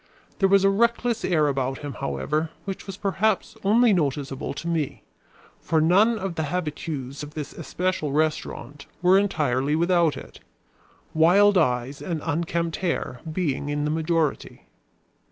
There was a reckless air about him, however, which was perhaps only noticeable to me; for none of the habitues of this especial restaurant were entirely without it; wild eyes and unkempt hair being in the majority.